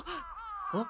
あっ！